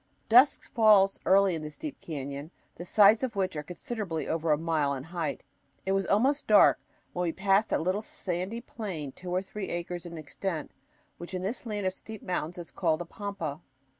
Dusk falls early in this deep canyon, the sides of which are considerably over a mile in height. It was almost dark when we passed a little sandy plain two or three acres in extent, which in this land of steep mountains is called a pampa.